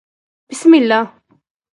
بسم الله